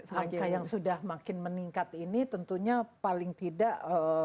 angka yang sudah makin meningkat ini tentunya paling tidak